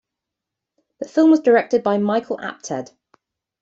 The film was directed by Michael Apted.